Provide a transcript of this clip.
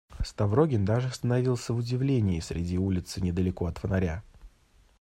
Ставрогин даже остановился в удивлении среди улицы, недалеко от фонаря.